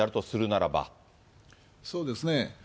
そうですね。